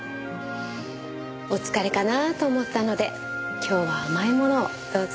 お疲れかなあと思ったので今日は甘いものをどうぞ。